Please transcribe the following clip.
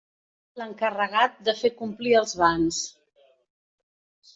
L'encarregat de fer complir els bans.